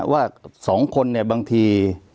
ว่า๒คนเนี่ยบางที